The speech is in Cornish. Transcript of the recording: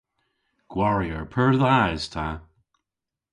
Gwarier pur dha es ta.